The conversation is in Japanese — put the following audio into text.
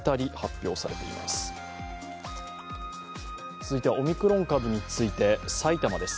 続いて、オミクロン株について埼玉です。